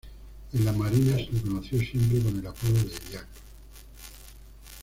En la marina se le conoció siempre con el apodo de "Jack".